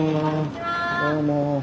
どうも。